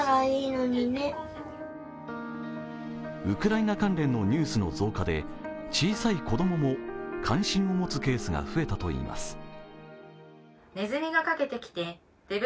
ウクライナ関連のニュースの増加で小さい子供も、関心を持つケースが増えたといいます。